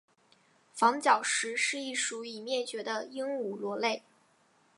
房角石是一属已灭绝的鹦鹉螺类。